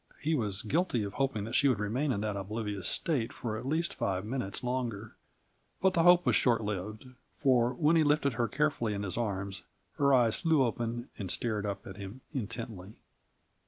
He was guilty of hoping that she would remain in that oblivious state for at least five minutes longer, but the hope was short lived; for when he lifted her carefully in his arms, her eyes flew open and stared up at him intently.